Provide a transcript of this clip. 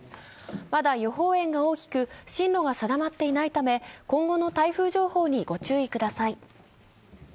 まだ予報円が大きく、進路が定まっていないため今後の台風情報にご注意ください。